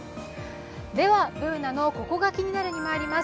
では、Ｂｏｏｎａの「ココがキニナル」にまいります。